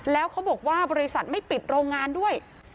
แล้วเขาบอกว่าบริษัทไม่ปิดโรงงานด้วย